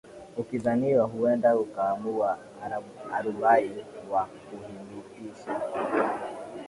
ukidhaniwa huenda ukaamua arubai wa kuhitimisha